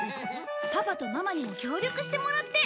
パパとママにも協力してもらって。